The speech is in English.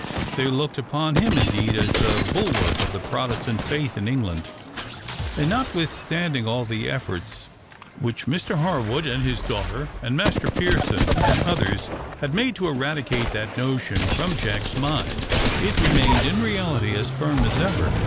They looked upon him, indeed, as the bulwark of the Protestant faith in England, and notwithstanding all the efforts which Mr Harwood and his daughter, and Master Pearson and others had made to eradicate that notion from Jack's mind, it remained in reality as firm as ever.